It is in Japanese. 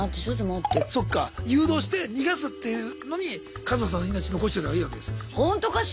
そっか誘導して逃がすっていうのにカズマさんの命残しといたほうがいいわけですよ。